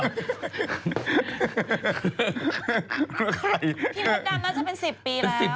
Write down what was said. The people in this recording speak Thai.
พี่มดดำน่าจะเป็น๑๐ปีแล้ว